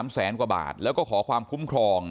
แสนกว่าบาทแล้วก็ขอความคุ้มครอง